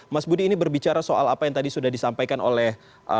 mas budi ini berbicara soal apa yang tadi sudah disampaikan oleh